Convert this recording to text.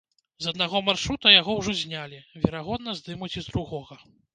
З аднаго маршрута яго ўжо знялі, верагодна, здымуць і з другога.